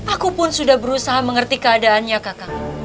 aku pun sudah berusaha mengerti keadaannya kakak